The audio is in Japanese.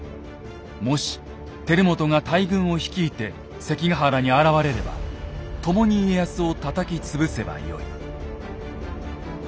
もし輝元が大軍を率いて関ヶ原に現れれば共に家康をたたき潰せばよい。